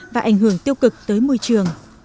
và ảnh hưởng tiêu cực tới môi trường